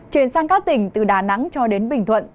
chuyển sang các tỉnh từ đà nẵng cho đến bình thuận